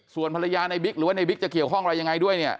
ส่วนภรรยาในบิ๊กหรือว่าในบิ๊กจะเกี่ยวข้องอะไรยังไงด้วยเนี่ย